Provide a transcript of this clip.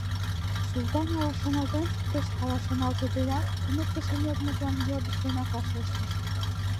Султан ала шоналтен шуктыш, ала шоналтыдеак, туныктышын йодмыжлан йодыш денак вашештыш: